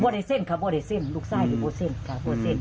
บ้าได้เส้นค่ะบ้าได้เส้นลูกส้ายดูบ้าเส้นค่ะ